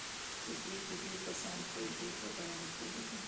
په دوی کې ډېر کسان پر دې خبره نه پوهېدل